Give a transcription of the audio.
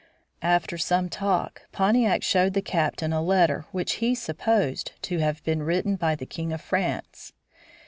After some talk Pontiac showed the captain a letter which he supposed to have been written by the King of France.